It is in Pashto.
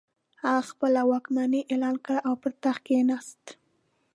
هغه خپله واکمني اعلان کړه او پر تخت کښېناست.